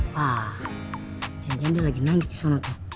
wah jangan jangan dia lagi nangis di sana tuh